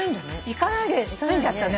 行かないで済んじゃったね。